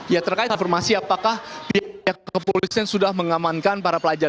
ya terkait informasi apakah pihak kepolisian sudah mengamankan para pelajar